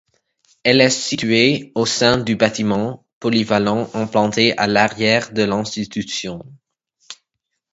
Elle est située au sein du bâtiment polyvalent implanté à l'arrière de l'institution.